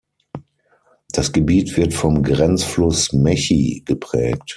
Das Gebiet wird vom Grenzfluss Mechi geprägt.